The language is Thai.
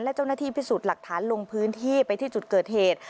และเจ้าหน้าที่พิสูจน์หลักฐานลงพื้นที่ไปที่จุดเกิดเหตุ